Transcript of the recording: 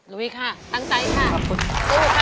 ลุยค่ะตั้งใจค่ะสู้ค่ะ